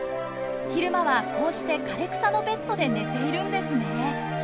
昼間はこうして枯れ草のベッドで寝ているんですね。